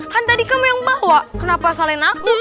kan tadi kamu yang bawa kenapa salahin aku